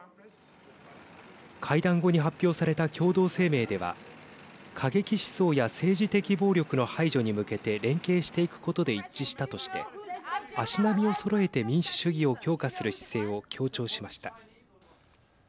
会談後に発表された共同声明では過激思想や政治的暴力の排除に向けて連携していくことで一致したとして足並みをそろえて民主主義を強化する姿勢を強調しました。